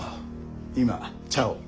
今茶を。